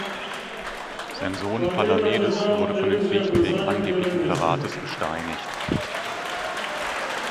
Sein Sohn Palamedes wurde von den Griechen wegen angeblichen Verrates gesteinigt.